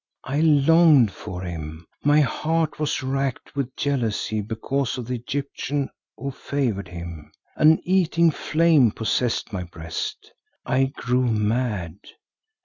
I longed for him, my heart was racked with jealousy because of the Egyptian who favoured him, an eating flame possessed my breast. I grew mad.